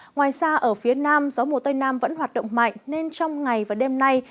ngoài ra ở phía nam gió mùa tây nam vẫn hoạt động mạnh nên trong ngày và đêm nay